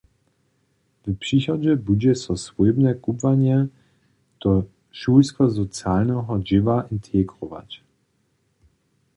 W přichodźe budźe so swójbne kubłanje do šulskosocialneho dźěła integrować.